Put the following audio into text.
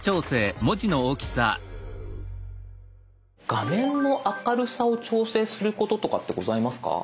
画面の明るさを調整することとかってございますか？